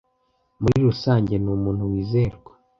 Muri rusange, ni umuntu wizerwa.